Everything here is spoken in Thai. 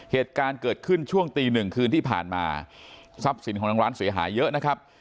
เหตุการณ์เกิดขึ้นช่วงตีหนึ่งคืนที่ผ่านมาทรัพย์สินของทางร้านเสียหายเยอะนะครับ